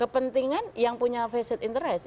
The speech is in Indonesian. kepentingan yang punya facet interest